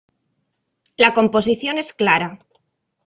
La composición es clara.